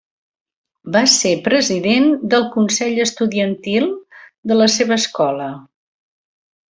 Va ser president del consell estudiantil de la seva escola.